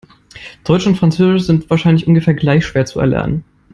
Deutsch und Französisch sind wahrscheinlich ungefähr gleich schwer zu erlernen.